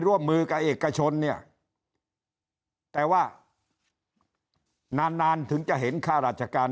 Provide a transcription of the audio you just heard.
ร่วมมือกับเอกชนเนี่ยแต่ว่านานนานถึงจะเห็นค่าราชการ